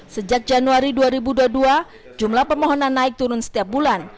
sejak januari dua ribu dua puluh dua jumlah permohonan naik turun setiap bulan